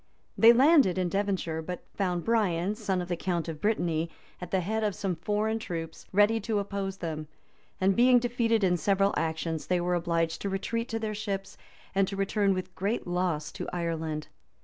They landed in Devonshire; but found Brian, son of the count of Brittany, at the head of some foreign troops, ready to oppose them; and being defeated in several actions, they were obliged to retreat to their ships, and to return with great loss to Ireland.